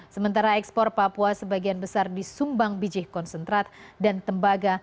sementara ekspor papua sebagian besar disumbang biji konsentrat dan tembaga